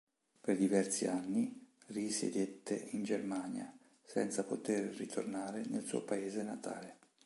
Per diversi anni risiedette in Germania senza poter ritornare nel suo paese natale.